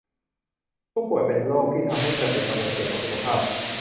ผู้ป่วยเป็นโรคที่ทำให้เธอเป็นกังวลเกี่ยวกับสุขภาพ